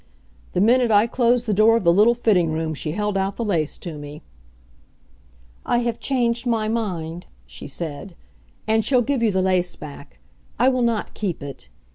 The minute I closed the door of the little fitting room she held out the lace to me. "I have changed my mind," she said, "and shall give you the lace back. I will not keep it.